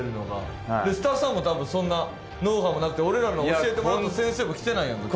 スタッフさんも多分そんなノウハウもなくて俺らの教えてもらった先生も来てないやんか。